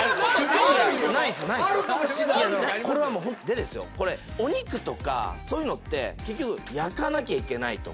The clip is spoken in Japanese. でお肉とかそういうのって結局焼かなきゃいけないとか。